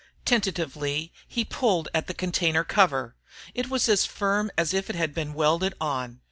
Tentatively he pulled at the container cover, it was as firm as if it had been welded on.